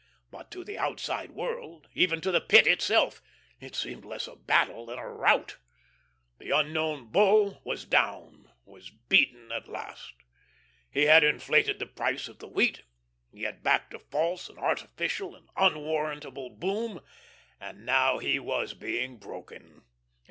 But to the outside world even to the Pit itself it seemed less a battle than a rout. The "Unknown Bull" was down, was beaten at last. He had inflated the price of the wheat, he had backed a false, an artificial, and unwarrantable boom, and now he was being broken.